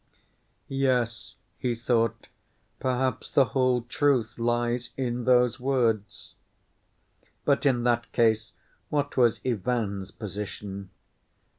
"Yes," he thought, "perhaps the whole truth lies in those words." But in that case what was Ivan's position?